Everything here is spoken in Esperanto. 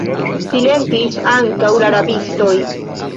Silentis ankaŭ la rabistoj.